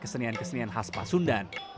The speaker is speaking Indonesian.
kesenian kesenian khas pasundan